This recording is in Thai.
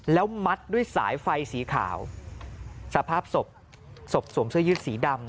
แล้วมัดด้วยสายไฟสีขาวสภาพศพศพสวมเสื้อยืดสีดำ